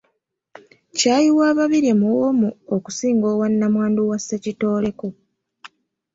Ccaayi wa Babirye muwoomu okusinga owa namwandu wa Ssekitoleko.